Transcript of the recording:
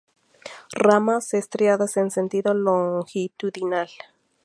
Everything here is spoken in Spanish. Ramas estriadas en sentido longitudinal.